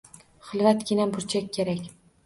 Xilvatgina burchak kerak